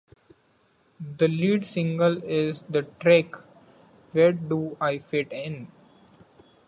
The lead single is the track Where Do I Fit In?